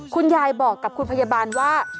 คุณยายบอกกับคุณพยาบาลว่า